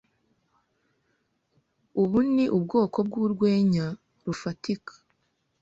Ubu ni ubwoko bwurwenya rufatika?